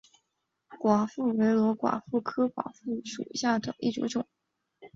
寡妇榧螺为榧螺科榧螺属下的一个种。